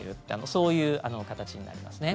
そういう形になりますね。